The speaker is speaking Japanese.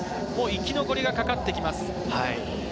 生き残りがかかってきます。